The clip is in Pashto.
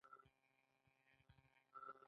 موږ څومره بریښنا له ازبکستان اخلو؟